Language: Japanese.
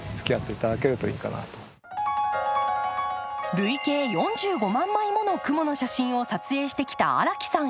累計４５万枚もの雲の写真を撮影してきた荒木さん